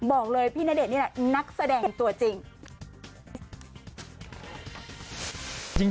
บอกเลยพี่ณเดชน์นี่แหละนักแสดงตัวจริง